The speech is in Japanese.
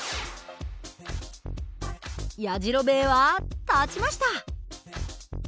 やじろべえは立ちました！